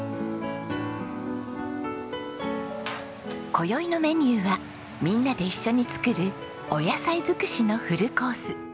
今宵のメニューはみんなで一緒に作るお野菜づくしのフルコース。